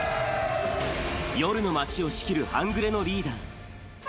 夜の街を仕切る半グレのリーダー。